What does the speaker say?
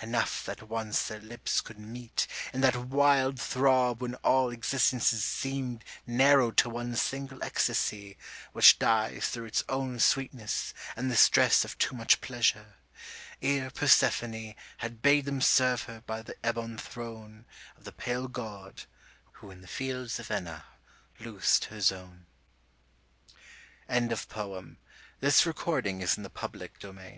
enough that once their lips could meet In that wild throb when all existences Seemed narrowed to one single ecstasy Which dies through its own sweetness and the stress Of too much pleasure, ere Persephone Had bade them serve her by the ebon throne Of the pale God who in the fields of Enna loosed her zone. POEMS REQUIESCAT TREAD lightly, she is